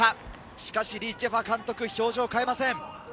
しかしリ・ジェファ監督、表情を変えません。